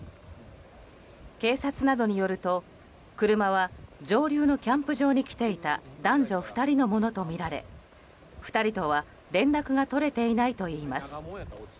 警察などによると、車は上流のキャンプ場に来ていた男女２人のものとみられ２人とは連絡が取れていないといいます。